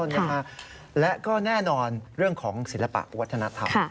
นะฮะและก็แน่นอนเรื่องของศิลปะวัฒนธรรม